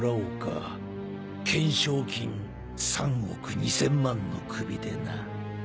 懸賞金３億２，０００万の首でな！